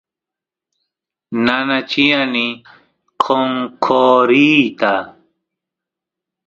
nanachiani qonqoriyta